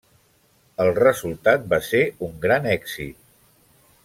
El resultat va ser un gran èxit.